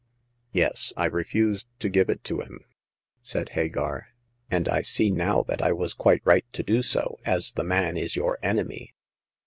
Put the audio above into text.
Yes ; I refused to give it to him," said Hagar, " and I see now that I was quite right to do so, as the man is your enemy.